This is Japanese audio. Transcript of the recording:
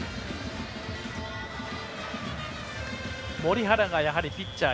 森原がやはりピッチャー